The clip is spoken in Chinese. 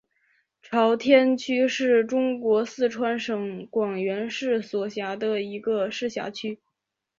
朝天区是中国四川省广元市所辖的一个市辖区。